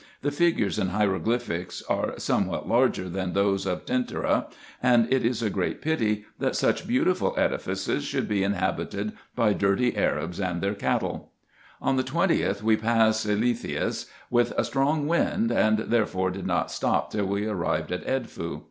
The figures and hieroglyphics are somewhat larger than those of Ten tyra ; and it is a great pity that such beautiful edifices should be inhabited by dirty Arabs and their cattle. On the 20th we passed Elethias with a strong wind, and there fore did not stop till we arrived at Edfu.